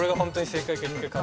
［正解！